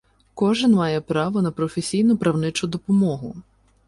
Кожен має право на професійну правничу допомогу